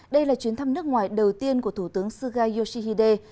đây là chuyến thăm nước ngoài đầu tiên của thủ tướng suga yoshihide